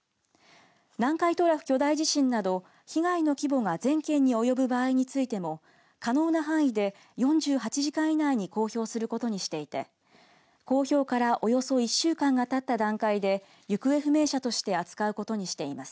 南海トラフ巨大地震など被害の規模が全県に及ぶ場合についても可能な範囲で４８時間以内に公表することにしていて公表からおよそ１週間がたった段階で行方不明者として扱うことにしています。